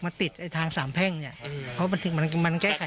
แล้วตอนนี้พ่อท้องอีกไหมพ่อไม่ท้าย